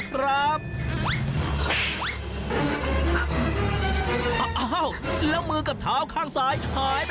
อะไรอะไรวะ